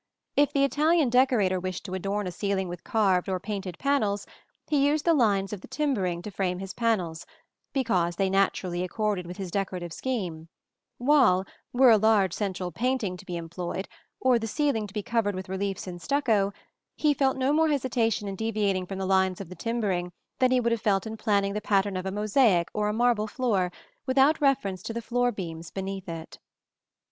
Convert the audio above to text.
If the Italian decorator wished to adorn a ceiling with carved or painted panels he used the lines of the timbering to frame his panels, because they naturally accorded with his decorative scheme; while, were a large central painting to be employed, or the ceiling to be covered with reliefs in stucco, he felt no more hesitation in deviating from the lines of the timbering than he would have felt in planning the pattern of a mosaic or a marble floor without reference to the floor beams beneath it.